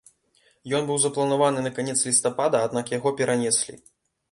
Ён быў запланаваны на канец лістапада, аднак яго перанеслі.